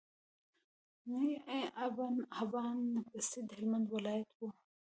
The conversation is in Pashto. ابن حبان بستي د هلمند ولايت وو